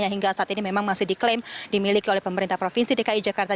yang hingga saat ini memang masih diklaim dimiliki oleh pemerintah provinsi dki jakarta